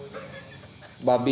bisa saja mungkin aktivitas babin